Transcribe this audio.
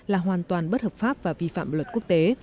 là hoàn toàn bất hợp pháp và vi phạm luật quốc tế